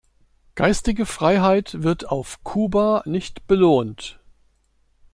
Geistige Freiheit wird auf Kuba nicht belohnt.